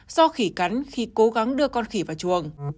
do khỉ cắn khi cố gắng đưa con khỉ vào chuồng